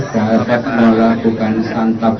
dari atas melakukan santan